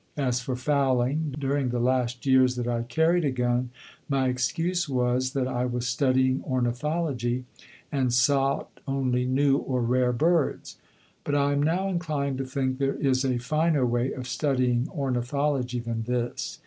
As for fowling, during the last years that I carried a gun my excuse was that I was studying ornithology, and sought only new or rare birds. But I am now inclined to think there is a finer way of studying ornithology than this.